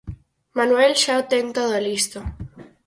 Manuel xa o ten todo listo.